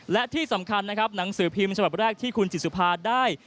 และที่สำคัญนะครับหนังสือพิมพ์ฉบับแรกที่คุณจิตสุภาได้